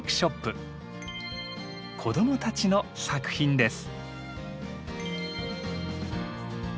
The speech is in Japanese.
子どもたちの作品です。